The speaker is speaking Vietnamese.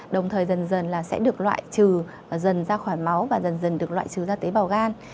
đồng thời dần dần là sẽ được loại trừ dần ra khỏi máu và dần dần được loại trừ ra tế bào gan